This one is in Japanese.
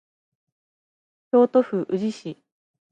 京都府宇治市